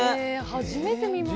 初めて見ました。